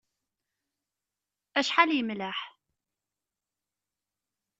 Acḥal yemleḥ!